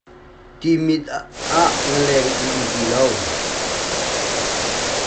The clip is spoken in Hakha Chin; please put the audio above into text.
Timit ah ngaleng an um tuk ti lo.